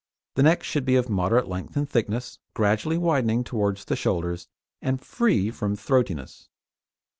The neck should be of moderate length and thickness, gradually widening towards the shoulders and free from throatiness.